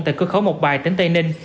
tại cơ khấu mộc bài tỉnh tây ninh